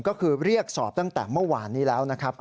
ก็คือเรียกสอบตั้งแต่เมื่อวานนี้แล้วนะครับ